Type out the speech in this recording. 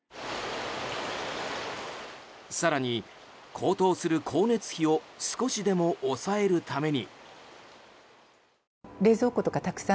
更に、高騰する光熱費を少しでも抑えるために。